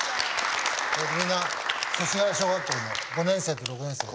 みんな祖師谷小学校の５年生と６年生です。